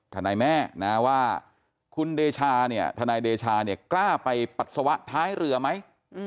ทนายแม่ว่าทนายเดชากล้าไปปัสสวะท้ายเรือไหม